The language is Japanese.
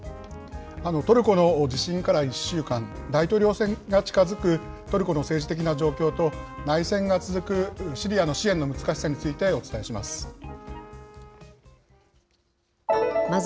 トルコの地震から１週間、大統領選が近づくトルコの政治的な状況と、内戦が続くシリアの支援の難しさについてお伝えします。